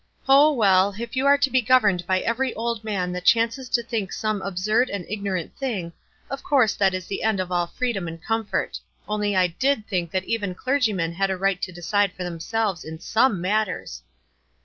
"Oh, well; if you are to bo governed by every old man who chances to think some ab surd and ignorant thing, of course that is the end of all freedom and comfort ; only I did think that even clergymen had a right to decide for themselves in some matters."